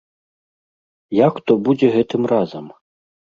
Як то будзе гэтым разам?